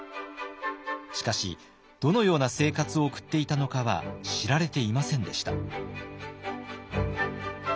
しかしどのような生活を送っていたのかは知られていませんでした。